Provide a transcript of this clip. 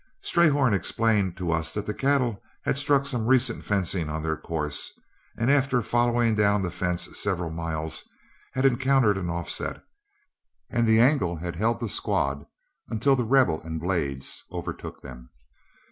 Strayhorn explained to us that the cattle had struck some recent fencing on their course, and after following down the fence several miles had encountered an offset, and the angle had held the squad until The Rebel and Blades overtook them.